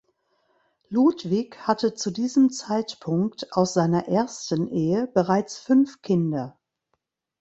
Ludwig hatte zu diesem Zeitpunkt aus seiner ersten Ehe bereits fünf Kinder.